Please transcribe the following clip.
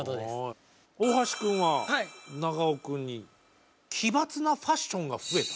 大橋くんは長尾くんに「奇抜なファッションが増えた」？